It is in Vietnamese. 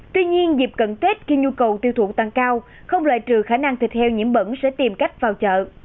tuy nhiên dịp cận tết khi nhu cầu tiêu thuận tăng cao không loại trừ khả năng thịt heo nhiễm bẩn sẽ tìm cách vào chợ